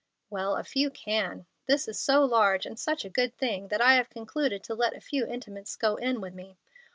"Well, a few can. This is so large, and such a good thing, that I have concluded to let a few intimates go in with me.